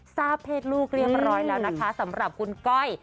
ทราบเพศลูกเรียบร้อยแล้วนะคะสำหรับคุณก้อย